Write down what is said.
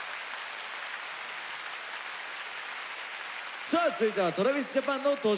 さあ続いてはＴｒａｖｉｓＪａｐａｎの登場です。